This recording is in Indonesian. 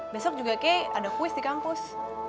besok juga kay ada kuis di kampus